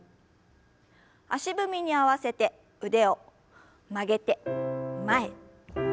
足踏みに合わせて腕を曲げて前。